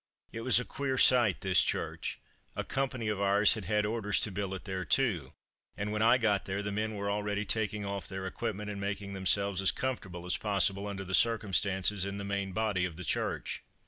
It was a queer sight, this church; a company of ours had had orders to billet there too, and when I got there the men were already taking off their equipment and making themselves as comfortable as possible under the circumstances, in the main body of the church.